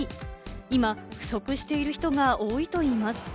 今、不足している人が多いといいます。